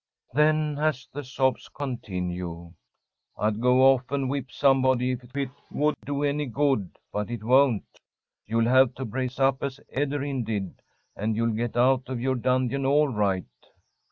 Then, as the sobs continued: "I'd go off and whip somebody if it would do any good, but it won't. You'll have to brace up as Ederyn did, and you'll get out of your dungeon all right."